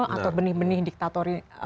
atau benih benih diktator